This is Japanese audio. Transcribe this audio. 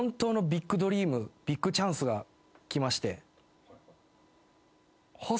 ビッグチャンスが来まして。